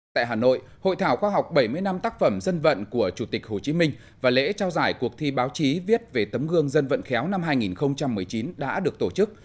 tại hà nội hội thảo khoa học bảy mươi năm tác phẩm dân vận của chủ tịch hồ chí minh và lễ trao giải cuộc thi báo chí viết về tấm gương dân vận khéo năm hai nghìn một mươi chín đã được tổ chức